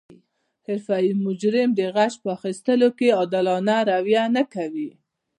حرفوي مجرم د غچ په اخستلو کې عادلانه رویه نه کوي